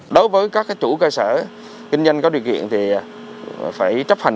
đối với các chủ cơ sở kinh doanh có điều kiện thì phải chấp hành